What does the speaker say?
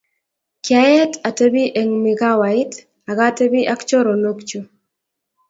kiaet atebii Eng' mikawait akatebii ak choronk chu